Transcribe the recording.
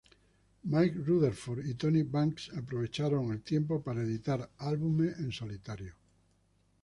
Mike Rutherford y Tony Banks aprovecharon el tiempo para editar álbumes en solitario.